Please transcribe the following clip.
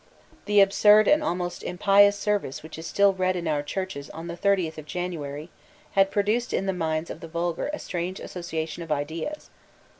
The absurd and almost impious service which is still read in our churches on the thirtieth of January had produced in the minds of the vulgar a strange association of ideas.